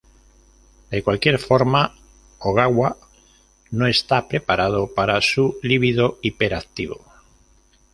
De cualquier forma Ogawa no está preparado para su libido hiperactivo.